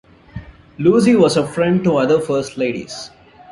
Lucy was a friend to other First Ladies.